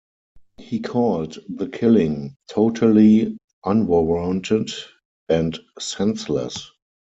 He called the killing "totally unwarranted" and "senseless.